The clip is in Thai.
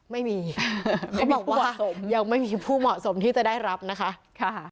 ไม่มีเขาบอกว่ายังไม่มีผู้เหมาะสมที่จะได้รับนะคะ